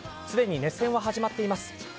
すでに熱戦は始まっています。